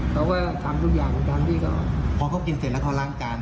เค้าก็ทำทุกอย่างที่เค้าพอเค้ากินเสร็จแล้วเค้าล้างจาน